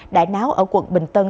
đại náo ở quận bình tân